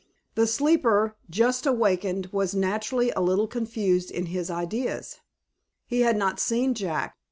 The sleeper, just awakened, was naturally a little confused in his ideas. He had not seen Jack.